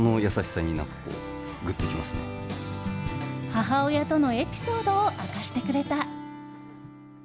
母親とのエピソードを明かしてくれた。